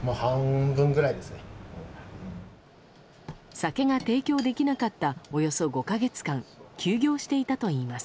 酒が提供できなかったおよそ５か月間休業していたといいます。